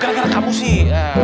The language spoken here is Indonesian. gara gara kamu sih